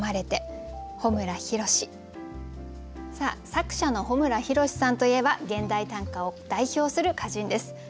作者の穂村弘さんといえば現代短歌を代表する歌人です。